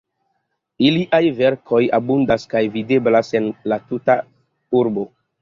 Iliaj verkoj abundas kaj videblas en la tuta urbo.